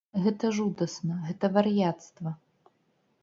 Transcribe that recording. Гэта жудасна, гэта вар'яцтва!